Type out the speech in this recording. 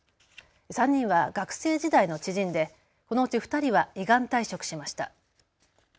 ３人は学生時代の知人でこのうち２人は依願退職しました。